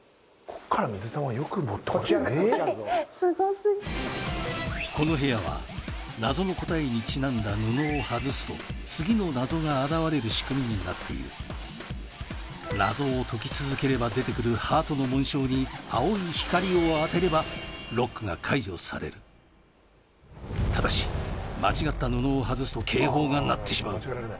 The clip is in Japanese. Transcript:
すごいすごすぎこの部屋は謎の答えにちなんだ布を外すと次の謎が現れる仕組みになっている謎を解き続ければ出てくるハートの紋章に青い光を当てればロックが解除されるただしえっ？